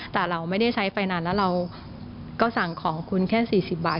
แต่เราไม่ได้ใช้ไฟนานแล้วเราก็สั่งของคุณแค่๔๐บาท